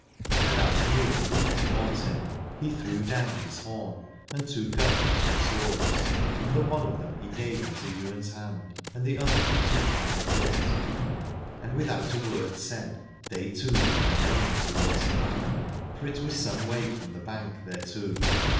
And as Ywain looked towards him he threw down his horn and took up the two swords, and the one of them he gave into Ywain's hand, and the other he took by the hilt, and without a word said they two began running towards the banner, for it was some way from the bank thereto.